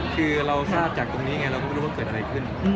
คือเราทราบจากตรงนี้ไงเราก็ไม่รู้ว่าเกิดอะไรขึ้น